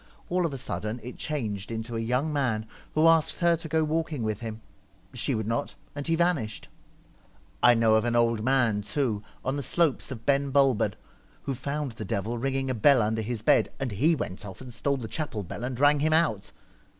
All of a sudden it changed into a young man, who asked her to go walking with him. She would not, and he vanished. 69 The I know of an old man too, on the slopes Celtic . Twilight, of Ben Bulben, who found the devil ringing a bell under his bed, and he went off and stole the chapel bell and rang him out.